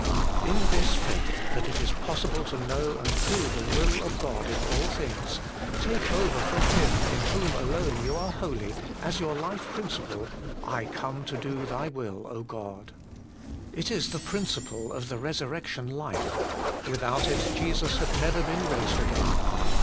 In this faith, that it is possible to know and do the will of God in all things, take over from Him, HOLINESS AND RESURRECTION. 171 in whom alone you are holy, as your life principle ;' I come to do Thy will, God.' It is the principle of the resurrection life : without it Jesus had never been raised again.